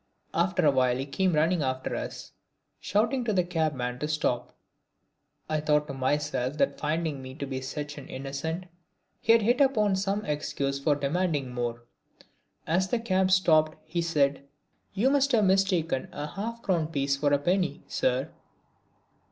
After a while he came running after us, shouting to the cabman to stop. I thought to myself that finding me to be such an innocent he had hit upon some excuse for demanding more. As the cab stopped he said: "You must have mistaken a half crown piece for a penny, Sir!"